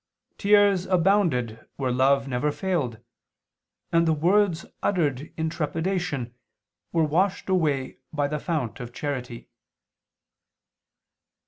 Tears abounded where love never failed, and the words uttered in trepidation were washed away by the fount of charity."